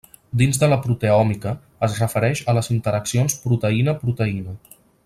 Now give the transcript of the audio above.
Dins de la proteòmica, es refereix a les interaccions proteïna-proteïna.